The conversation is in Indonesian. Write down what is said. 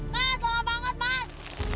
mas lama banget mas